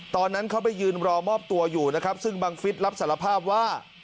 ตอนนั้นเขาไปยืนรอมอบตัวอยู่นะครับซึ่งบังฟิศรับสารภาพว่า